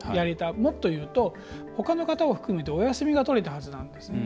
もっと言うと、ほかの方を含めてお休みがとれたはずなんですね。